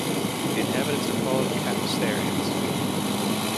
The inhabitants are called "Capesterriens".